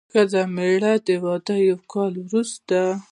ښځه او مېړه د واده یو کال وروسته.